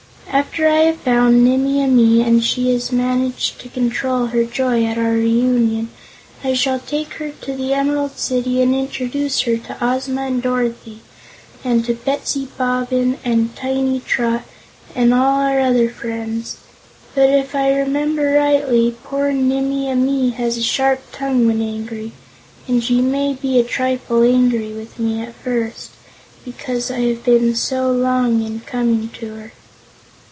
After I have found Nimmie Amee and she has managed to control her joy at our reunion, I shall take her to the Emerald City and introduce her to Ozma and Dorothy, and to Betsy Bobbin and Tiny Trot, and all our other friends; but, if I remember rightly, poor Nimmie Amee has a sharp tongue when angry, and she may be a trifle angry with me, at first, because I have been so long in coming to her."